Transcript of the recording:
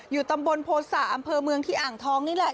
ตำบลโภษะอำเภอเมืองที่อ่างทองนี่แหละ